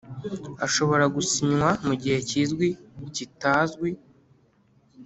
Ashobora gusinywa mu gihe kizwi kitazwi